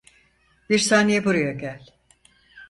Bir saniye buraya gel.